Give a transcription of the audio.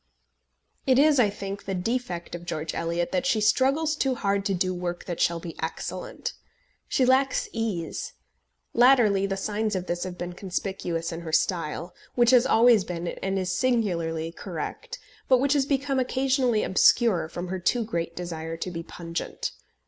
It is, I think, the defect of George Eliot that she struggles too hard to do work that shall be excellent. She lacks ease. Latterly the signs of this have been conspicuous in her style, which has always been and is singularly correct, but which has become occasionally obscure from her too great desire to be pungent.